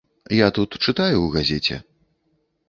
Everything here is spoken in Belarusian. Я тут чытаю ў газеце.